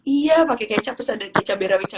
iya pake kecap terus ada cabai rawit cabai